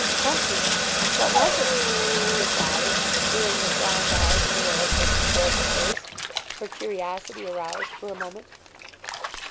'Something! What was it?' said Dolly, staring with round eyes in the old woman's woeful face, her curiosity aroused for a moment.